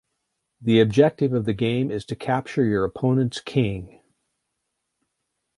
The objective of the game is to capture your opponent's king.